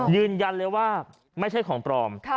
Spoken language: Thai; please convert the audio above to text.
ยืนยันเลยว่าไม่ใช่ของปลอม